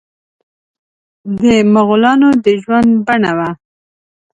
د مغولانو د ژوند بڼه وه.